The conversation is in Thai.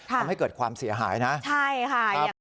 ทำให้เกิดความเสียหายนะใช่ค่ะ